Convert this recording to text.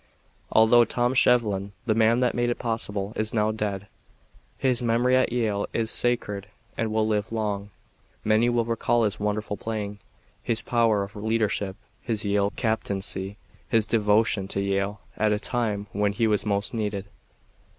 Although Tom Shevlin, the man that made it possible, is now dead, his memory at Yale is sacred and will live long. Many will recall his wonderful playing, his power of leadership, his Yale captaincy, his devotion to Yale at a time when he was most needed.